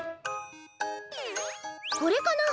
これかな？